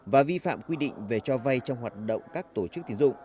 và vi phạm quy định về cho vay trong hoạt động các tổ chức tiến dụng